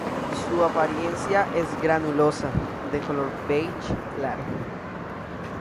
Su apariencia es granulosa, de color beige claro.